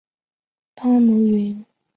当奴云在加州雷德兰兹。